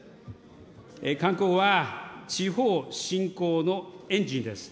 観光は地方振興のエンジンです。